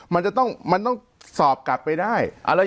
มันต้องสอบกลับไปได้